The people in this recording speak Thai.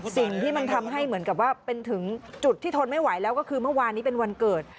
สิ่งที่มันทำให้เหมือนกับว่าเป็นถึงจุดที่ทนไม่ไหวแล้วก็คือเมื่อวานนี้เป็นวันเกิด